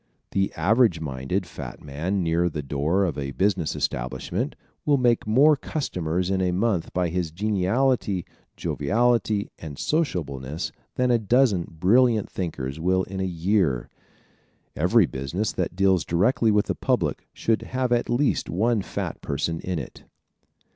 One average minded fat man near the door of a business establishment will make more customers in a month by his geniality, joviality and sociableness than a dozen brilliant thinkers will in a year. Every business that deals directly with the public should have at least one fat person in it.